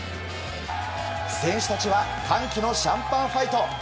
選手たちは歓喜のシャンパンファイト。